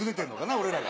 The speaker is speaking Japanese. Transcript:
俺らが。